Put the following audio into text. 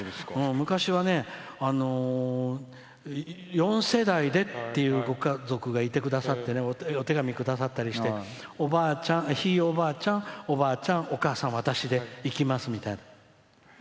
昔は、四世代でっていうご家族がいてくださってねお手紙くださったりしてひいおばあちゃん、おばあちゃんお母さん、私で行きますみたいな。